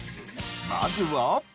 まずは。